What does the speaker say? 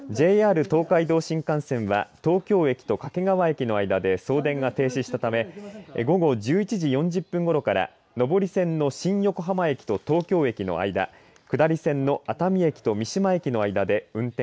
ＪＲ東海道新幹線は東京駅と掛川駅の間で送電が停止したため午後１１時４０分ごろから上り線の新横浜駅と東京駅の間下り線の熱海駅と三島駅の間で運転を見合わせています。